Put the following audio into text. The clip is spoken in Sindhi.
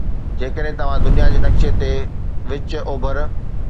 جيڪڏهن توهان دنيا جي نقشي تي وچ اوڀر